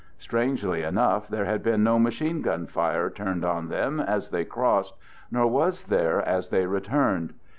Strangely enough there had been no machine gun fire turned on them as they crossed, nor was there as they returned.